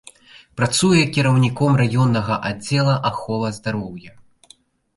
Працуе кіраўніком раённага аддзела аховы здароўя.